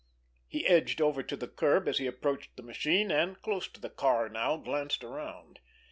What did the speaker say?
He edged over to the curb as he approached the machine, and, close to the car now, glanced around.